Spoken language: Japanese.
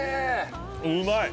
うまい。